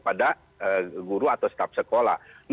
pada guru atau staf sekolah